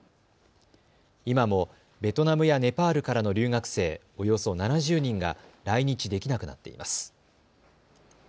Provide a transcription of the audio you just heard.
今もベトナムやネパールからの留学生およそ７０人が来日できなくなっています。